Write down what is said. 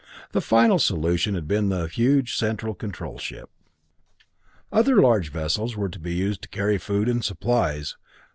The final solution had been the huge central control ship. The other large vessels were to be used to carry food and supplies.